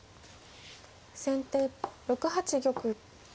先手６八玉。